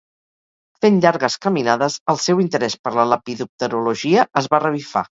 Fent llargues caminades el seu interès per la lepidopterologia es va revifar.